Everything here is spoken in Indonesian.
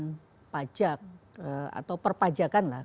jadi penerimaan pajak atau perpajakan lah